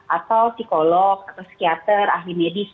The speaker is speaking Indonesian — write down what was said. atau psikolog atau psikiater ahli medis